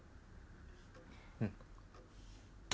うん。